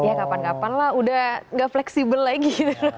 ya kapan kapan lah udah gak fleksibel lagi